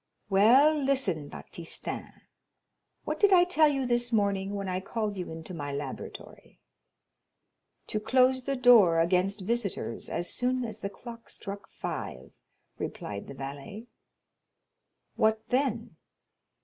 "Well, listen, Baptistin, what did I tell you this morning when I called you into my laboratory?" "To close the door against visitors as soon as the clock struck five," replied the valet. "What then?"